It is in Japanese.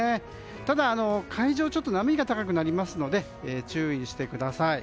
ただ、海上ちょっと波が高くなりますので注意してください。